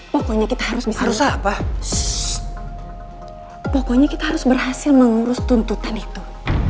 pokoknya kita harus apa pokoknya kita harus berhasil mengurus tuntutan itu